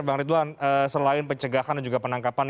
bang ridwan selain pencegahan dan juga penangkapan